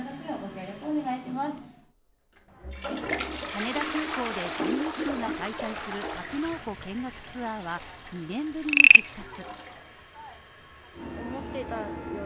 羽田空港で全日空が開催する格納庫見学ツアーは２年ぶりに復活。